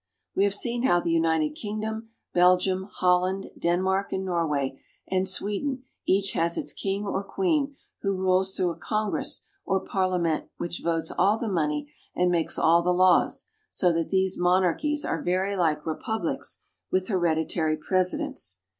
We have seen how the United Kingdom, Belgium, Hol land, Denmark, and Norway and Sweden each has its king or queen who rules through a congress or parliament which votes all the money and makes all the laws ; so that these monarchies are very like republics with hereditary presidents.